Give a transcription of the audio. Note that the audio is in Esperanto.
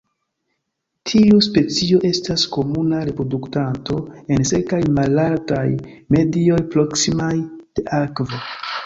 Tiu specio estas komuna reproduktanto en sekaj malaltaj medioj proksimaj de akvo.